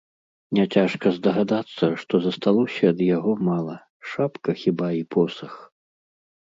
Няцяжка здагадацца, што засталося ад яго мала, шапка хіба і посах.